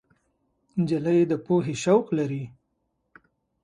نجلۍ د پوهې شوق لري.